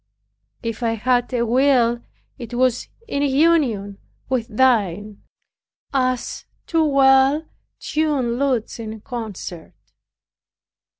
If I had a will, it was in union with thine, as two well tuned lutes in concert.